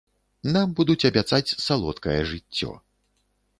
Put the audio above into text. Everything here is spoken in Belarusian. Нам будуць абяцаць салодкае жыццё.